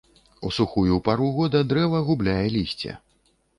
У сухую пару года дрэва губляе лісце.